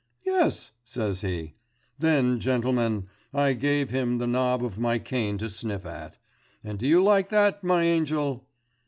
"Yes," says he. Then, gentlemen, I gave him the knob of my cane to sniff at. "And do you like that, my angel?"